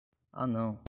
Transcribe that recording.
Ah não